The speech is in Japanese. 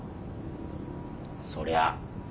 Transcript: そりゃ